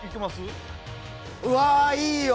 うわ、いいよ！